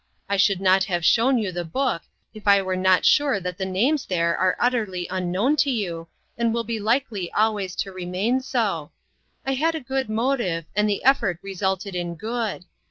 I should not have shown you the book if I were not sure that the names there are utterly unknown to you, and will be likely always to remain so. I had a good motive, and the effort resulted in good.